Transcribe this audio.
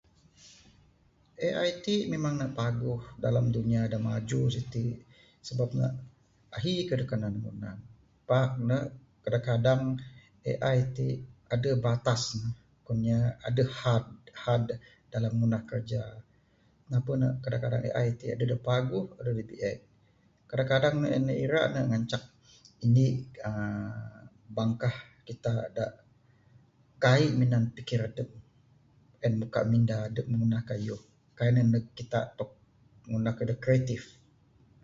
AI tik memang ne paguh dalam dunia da maju sitik. Sebab ne ahi kayuh da kanan minan ne. Pak ne kadang kadang, AI tik aduh batas ne. Kuwan nya aduh had. Had dalam ngundah kerja. Napuh ne, kadang kadang AI tik aduh da paguh, aduh da bi'ek. Kadang kadang en ne ira ne ngancak indik uhh bangkah kitak dak kaik minan pikir adup. En mukak minda adup ngundah kayuh. Kaik ne ndug kitak tok ngundah kayuh da kreatif.